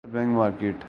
inter bank market